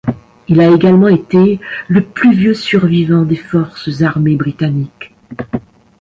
Il a également été le plus vieux survivant des Forces armées britanniques.